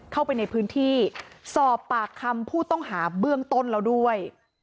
เข้าไปในพื้นที่สอบปากคำผู้ต้องหาเบื้องต้นแล้วด้วย